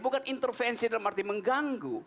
bukan intervensi dalam arti mengganggu